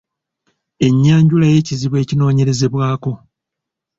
Ennyanjula y’ekizibu ekinoonyerezebwako.